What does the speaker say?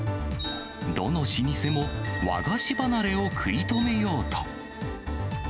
どの老舗も和菓子離れを食い止めようと。